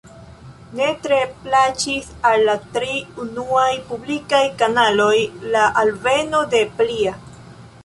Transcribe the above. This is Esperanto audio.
Ne tre plaĉis al la tri unuaj publikaj kanaloj la alveno de plia.